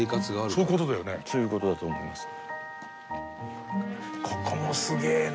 そういう事だと思います。